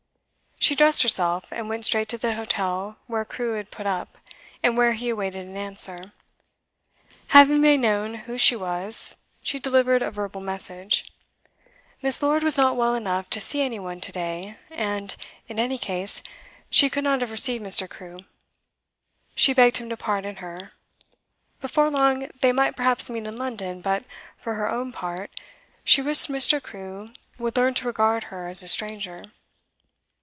She dressed herself, and went straight to the hotel where Crewe had put up, and where he awaited an answer. Having made known who she was, she delivered a verbal message: Miss. Lord was not well enough to see any one to day, and, in any case, she could not have received Mr Crewe; she begged him to pardon her; before long, they might perhaps meet in London, but, for her own part, she wished Mr. Crewe would learn to regard her as a stranger.